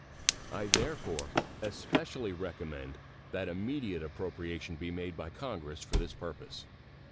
I therefore especially recommend that immediate appropriation be made by Congress for this purpose.